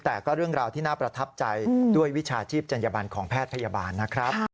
แต่ก็เรื่องราวที่น่าประทับใจด้วยวิชาชีพจัญญบันของแพทย์พยาบาลนะครับ